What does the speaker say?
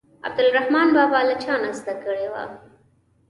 عبدالرحمان بابا له چا نه زده کړه کړې وه.